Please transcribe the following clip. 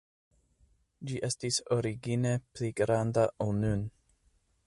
Ĝi estis origine pli granda, ol nun.